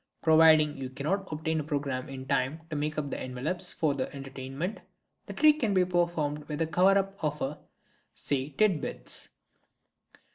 Providing you cannot obtain a programme in time to make up the envelopes for the entertainment, the trick can be performed with the cover of say Tit Bits.